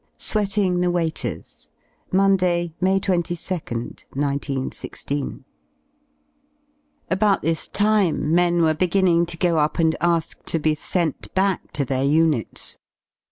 SWEATING THE WAITERS Monday y May 22nd, 1916. About this time men were beginning to go up and ask to be sent back to their units.